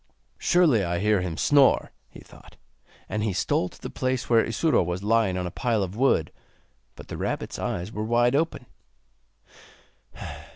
'Surely I hear him snore,' he thought; and he stole to the place where Isuro was lying on a pile of wood, but the rabbit's eyes were wide open.